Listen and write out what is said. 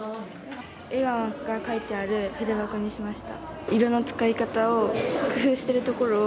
笑顔が描いてある筆箱にしました。